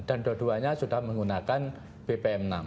dan dua duanya sudah menggunakan bpm enam